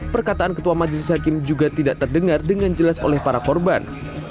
perkataan ketua majelis hakim juga tidak terdengar dengan jelas oleh para korban